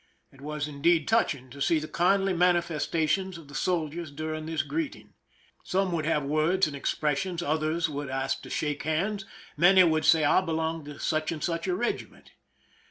It was indeed touching to see the kindly manifestations of the soldiers during this greeting. Some would have words and ex pressions ; others would ask to shake hands ; many would say, " I belong to such and such a regiment."